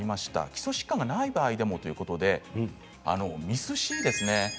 基礎疾患がない場合でも、ということでＭＩＳ−Ｃですね。